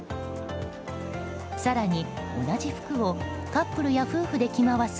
更に同じ服をカップルや夫婦で着回す